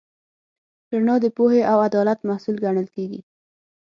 رڼا د پوهې او عدالت محصول ګڼل کېږي.